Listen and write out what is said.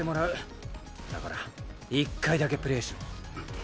だから１回だけプレーしろ。